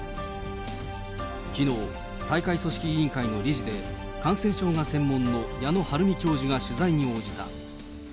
きのう、大会組織委員会の理事で、感染症が専門の矢野晴美教授が取材に応じた。